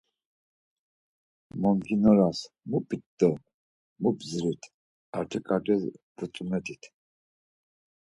Monç̌inoras mu p̌it do mu bdzirit artikatis butzumert̆it.